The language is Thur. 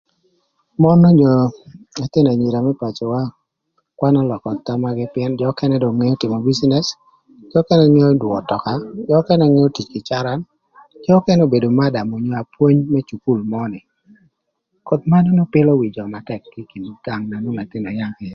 Mon onyo ëthïnö anyira më pacöwa kwan ölökö thamagï pïën jö ökënë do ngeo tïmö bicinec, jö ökënë ngeo düö ötöka, jö ökënë ngeo tic kï caran, jö ökënë obedo madam onyo apwony më cukul mö ni. Koth manunu pïlö wi jö matëk kï kin gang na nwongo ëthïnö yaa kï ïë.